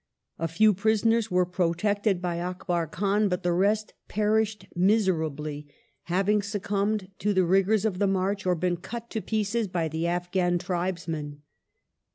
A few prisonei s were protected by Akbar Khan, but the rest perished miserably, having succumbed to the rigoui*s of the march or been cut to pieces by the Afghjin tribesmen.